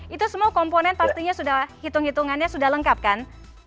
itu semua komponen pastinya sudah hitung hitungannya sudah lengkap kan